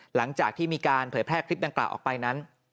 หลังจากที่มีการเผยแพร่คลิปดังกล่าวออกไปนั้น